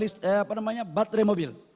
bukan untuk kawasan ini bapak presiden